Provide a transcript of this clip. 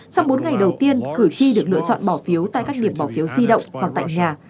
trong bốn ngày đầu tiên cử tri được lựa chọn bỏ phiếu tại các điểm bỏ phiếu di động hoặc tại nhà